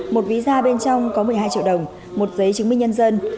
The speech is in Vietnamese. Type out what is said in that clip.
một ví da bên trong có một mươi hai triệu đồng một giấy chứng minh nhân dân